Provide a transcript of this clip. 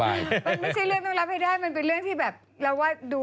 มันไม่ใช่เรื่องต้องรับให้ได้มันเป็นเรื่องที่แบบเราว่าดู